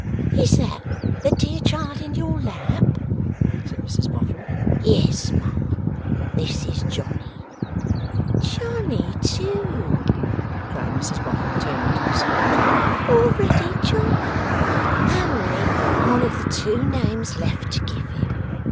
'Is that the dear child in your lap?' said Mrs Boffin. 'Yes, ma'am, this is Johnny.' 'Johnny, too!' cried Mrs Boffin, turning to the Secretary; 'already Johnny! Only one of the two names left to give him!